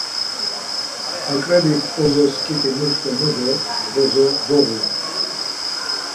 Aǩrep̌ik bozos ǩiti nuç̌ǩomu do bozo doğuru.